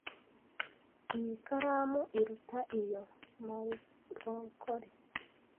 Iyi karamu iruta iyo. (marloncori)